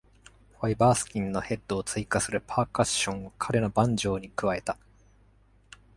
ファイバースキンのヘッドを追加するパーカッションを彼のバンジョーに加えた。